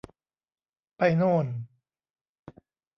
ไปโน่น